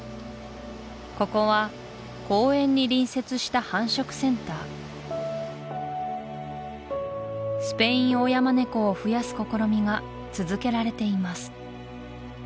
ここは公園に隣接した繁殖センタースペインオオヤマネコを増やす試みが続けられています